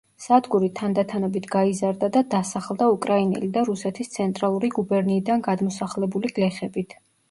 სადგური თანდათანობით გაიზარდა და დასახლდა უკრაინელი და რუსეთის ცენტრალური გუბერნიიდან გადმოსახლებული გლეხებით.